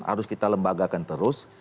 harus kita lembagakan terus